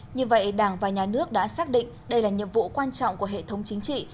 như vậy đảng và nhà nước đã xác định đây là nhiệm vụ quan trọng của hệ thống chính trị